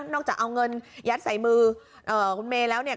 จากเอาเงินยัดใส่มือคุณเมย์แล้วเนี่ย